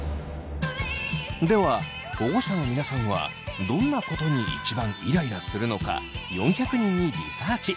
では保護者の皆さんはどんなことに一番イライラするのか４００人にリサーチ。